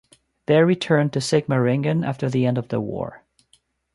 They returned to Sigmaringen after the end of the war.